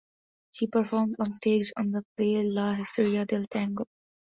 She performed on stage in the play "La historia del tango".